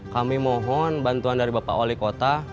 kami mohon bantuan dari bapak wali kota